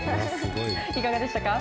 いかがでしたか？